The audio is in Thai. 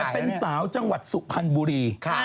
แสงเป็นสาวจังหวัดสุฯคันบุรี